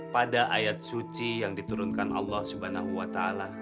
pada ayat suci yang diturunkan allah swt